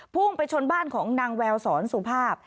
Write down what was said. พุ่งไปชนบ้านของนางแววสอนสุภาพ